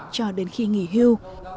cho đến khi nghỉ hưu